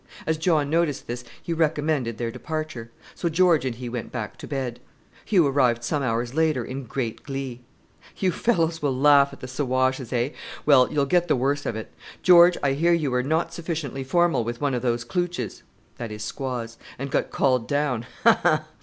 As John noticed this he recommended their departure; so George and he went back to bed. Hugh arrived home hours later in great glee. "You fellows will laugh at the Siwashes, eh? Well you'll get the worst of it. George, I hear you were not sufficiently formal with one of the klootches (squaws), and got called down ha, ha!"